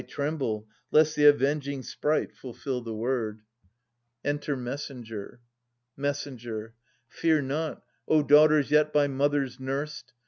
1 tremble 790 Lest the Avenging Sprite fulfil the word. \ 36 JESCHYLUS. Enter Messenger, Messenger. Fear not, O daughters yet by mothers nursed.